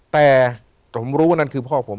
แต่ผมรู้ว่านั่นคือพ่อผม